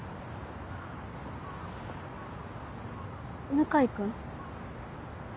向井君？